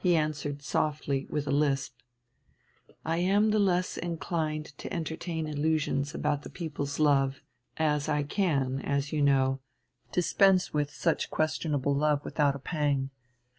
He answered softly with a lisp: "I am the less inclined to entertain illusions about the people's love, as I can, as you know, dispense with such questionable love without a pang.